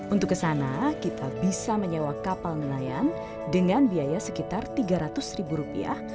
untuk ke sana kita bisa menyewa kapal nelayan dengan biaya sekitar tiga ratus ribu rupiah